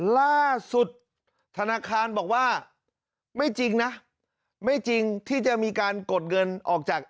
ล่าสุดธนาคารบอกว่าไม่จริงนะไม่จริงที่จะมีการกดเงินออกจาก